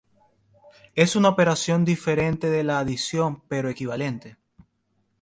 Es una operación diferente de la adición, pero equivalente.